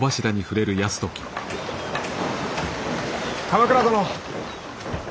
鎌倉殿。